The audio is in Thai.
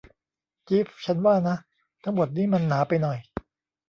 จี๊ฟ ฉันว่านะ ทั้งหมดนี้มันหนาไปหน่อย